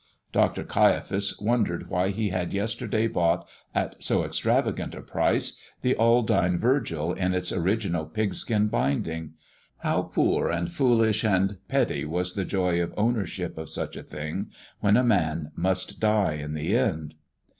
Dr. Caiaphas wondered why he had yesterday bought, at so extravagant a price, the Aldine Virgil in its original pigskin binding. How poor and foolish and petty was the joy of ownership of such a thing when a man must die in the end!